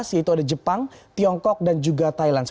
yaitu ada jepang tiongkok dan juga thailand